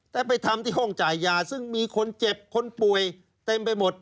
แต่ไปทำที่ห้องจ่ายยาซึ่งมีคนเจ็บคนป่วยเต็มไปหมด